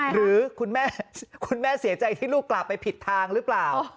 หรือคุณแม่คุณแม่เสียใจที่ลูกกลับไปผิดทางหรือเปล่า